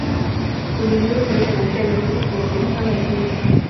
Cuyo libro previamente había sido comercializado en Chile.